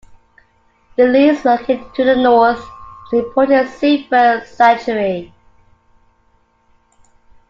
The Leas, located to the north, is an important seabird sanctuary.